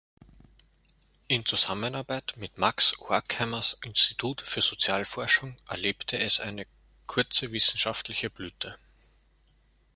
In Zusammenarbeit mit Max Horkheimers Institut für Sozialforschung erlebte es eine kurze wissenschaftliche Blüte.